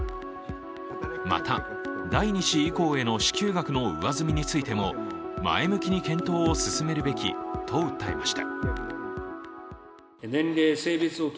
また、第２子以降への支給額の上積みについても、前向きに検討を進めるべきと訴えました。